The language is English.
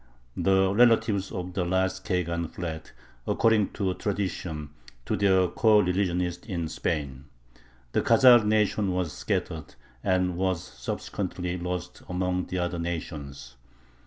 The relatives of the last khagan fled, according to tradition, to their coreligionists in Spain. The Khazar nation was scattered, and was subsequently lost among the other nations.